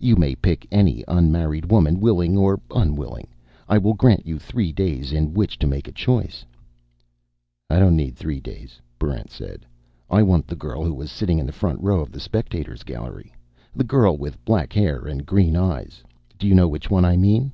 You may pick any unmarried woman, willing or unwilling. I will grant you three days in which to make a choice." "I don't need three days," Barrent said. "I want the girl who was sitting in the front row of the spectators' gallery. The girl with black hair and green eyes. Do you know which one I mean?"